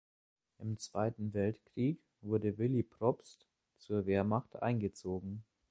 Im Zweiten Weltkrieg wurde Willi Probst zur Wehrmacht eingezogen.